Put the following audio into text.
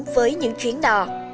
với những chuyến đò